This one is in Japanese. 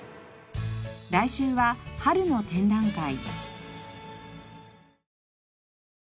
来週は春の展覧会。